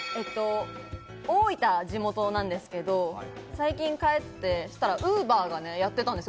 大分が地元なんですけれど、最近、帰ってウーバーはやっていたんですよ。